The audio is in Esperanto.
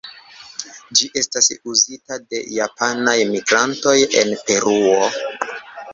Ĝi estas uzita de japanaj migrantoj en Peruo.